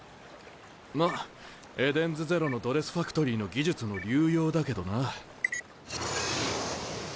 まぁエデンズゼロのドレスファクトリーの技術の流用だけどな。